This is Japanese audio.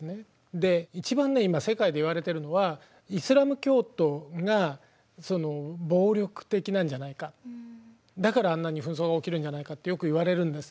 で一番ね今世界で言われてるのはイスラーム教徒が暴力的なんじゃないかだからあんなに紛争が起きるんじゃないかってよく言われるんです。